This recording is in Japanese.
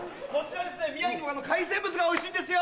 宮城も海鮮物がおいしいんですよ